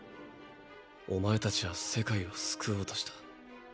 お前たちは世界を救おうとした。